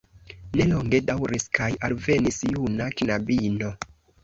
Ne longe daŭris kaj alvenis juna knabino.